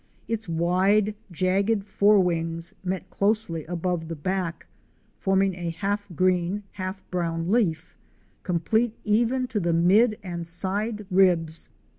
Its wide, jagged fore wings met closely above the back, forming a half green, half brown leaf, complete even to the mid and side ribs.